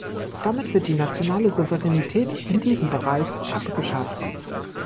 Damit wird die nationale Souveränität in diesem Bereich abgeschafft.